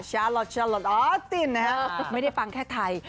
ชาหลอดชาหลอดอ๋อจินนะครับไม่ได้ฟังแค่ไทย